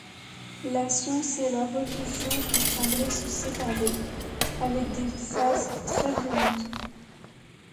La science et la religion ont semblé se séparer, avec des phases très violentes.